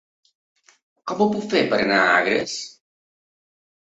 Com ho puc fer per anar a Agres?